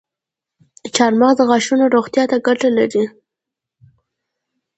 چارمغز د غاښونو روغتیا ته ګټه لري.